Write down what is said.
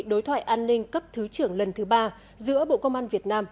đối thoại an ninh cấp thứ trưởng lần thứ ba giữa bộ công an việt nam